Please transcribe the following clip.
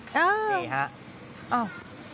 นี่ครับ